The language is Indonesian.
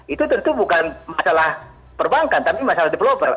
itu tentu bukan masalah perbankan tapi masalah developer